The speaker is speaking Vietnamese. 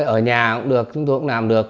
ở nhà cũng được chúng tôi cũng làm được